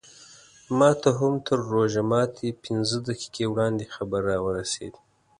ماته هم تر روژه ماتي پینځه دقیقې وړاندې خبر راورسېد.